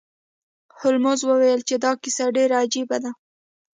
هولمز وویل چې دا کیسه ډیره عجیبه ده.